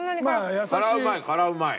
辛うまい辛うまい。